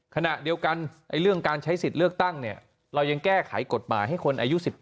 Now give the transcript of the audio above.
ขณะเดียวกันเรื่องการใช้สิทธิ์เลือกตั้งเนี่ยเรายังแก้ไขกฎหมายให้คนอายุ๑๙